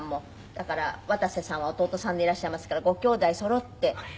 だから渡瀬さんは弟さんでいらっしゃいますからご兄弟そろってねえ。